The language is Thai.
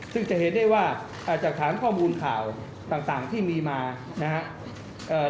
ซึ่งจะเห็นได้ว่าจากฐานข้อมูลข่าวต่างที่มีมานะครับ